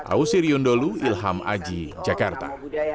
ausir yundolu ilham aji jakarta